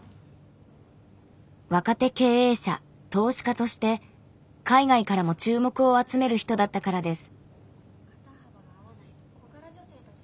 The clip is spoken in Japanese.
若手経営者・投資家として海外からも注目を集める人だったからです。